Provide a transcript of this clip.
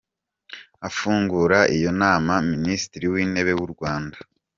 Afungura iyo nama, Minisitiri w’Intebe w’u Rwanda .